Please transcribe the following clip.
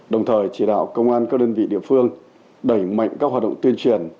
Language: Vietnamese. đồng thời chỉ đạo công an các đơn vị địa phương đẩy mạnh các hoạt động tuyên truyền